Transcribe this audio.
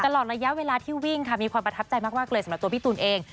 ตลอดระยะเวลาที่วิ่งค่ะมีความประทับใจมากเลยสำหรับตัวพี่ตูนเอง